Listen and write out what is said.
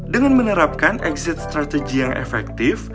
dengan menerapkan exit strategy yang efektif